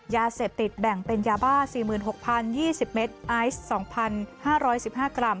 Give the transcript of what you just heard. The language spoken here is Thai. ยาเสพติดแบ่งเป็นยาบ้า๔๖๐๒๐เมตรไอซ์๒๕๑๕กรัม